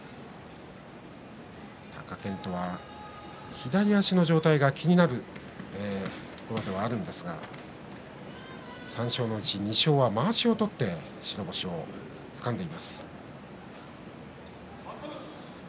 貴健斗は左足の状態が気になるところではあるんですが３勝のうち２勝はまわしを取って白星をつかんでいます。